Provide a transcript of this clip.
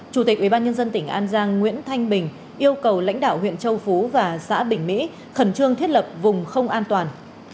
chủ tịch ubnd tỉnh an giang nguyễn thanh bình yêu cầu lãnh đạo huyện châu phú và xã bình mỹ khẩn trương thiết lập vùng không an toàn